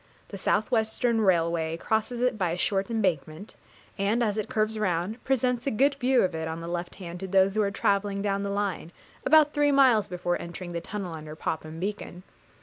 The South Western railway crosses it by a short embankment, and, as it curves round, presents a good view of it on the left hand to those who are travelling down the line, about three miles before entering the tunnel under Popham Beacon.